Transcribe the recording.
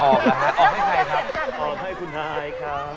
ออกนะฮะออกให้ใครครับ